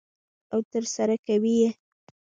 او ترسره کوي یې.